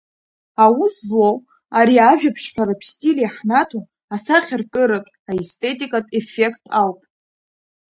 Аус злоу ари ажәабжьҳәаратә стиль иаҳнаҭо асахьаркыратә, аестетикатә еффект ауп.